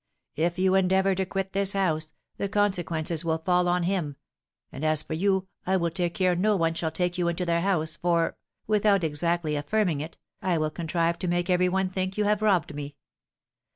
If you endeavour to quit this house, the consequences will fall on him; and, as for you, I will take care no one shall take you into their house, for, without exactly affirming it, I will contrive to make every one think you have robbed me.